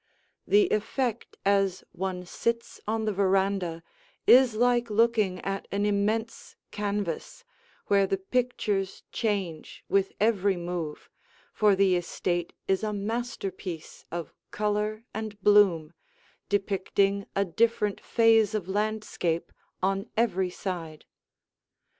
The effect as one sits on the veranda is like looking at an immense canvas, where the pictures change with every move, for the estate is a masterpiece of color and bloom, depicting a different phase of landscape on every side.